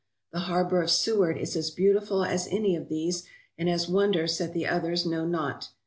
The harbour of Seward is as beautiful as any of these, and has wonders that the others know not.